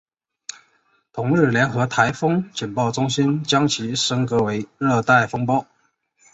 同日联合台风警报中心将其升格为热带风暴。